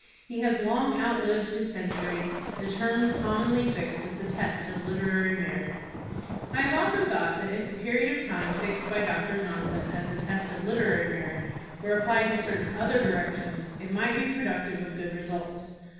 He has long outlived his century, the term commonly fixed as the test of literary merit." I have often thought that if the period of time fixed by Doctor Johnson as the test of literary merit were applied in certain other directions, it might be pro ductive of good results.